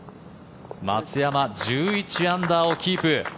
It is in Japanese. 松山、１１アンダーをキープ。